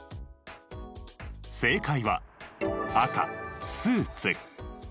正解は赤スーツ。